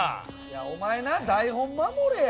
お前な台本守れや。